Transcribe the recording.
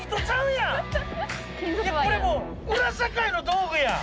これもう裏社会の道具やん！